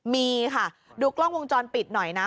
มีค่ะดูกล้องวงจรปิดหน่อยนะ